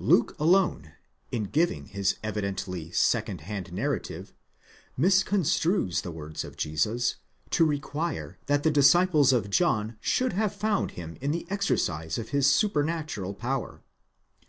Luke alone, in giving his evidently second hand narrative,* misconstrues the words of Jesus to require that the disciples of John should have found him in the exercise of his supernatural power.